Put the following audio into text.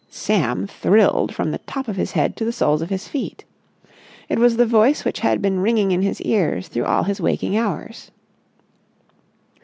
Sam thrilled from the top of his head to the soles of his feet. It was the voice which had been ringing in his ears through all his waking hours.